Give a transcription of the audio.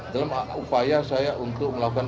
dalam upaya saya untuk melakukan